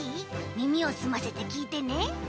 みみをすませてきいてね！